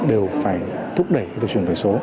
đều phải thúc đẩy chuyển đổi số